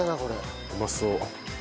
うまそう。